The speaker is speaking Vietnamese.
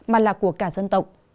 mà là của cả dân tộc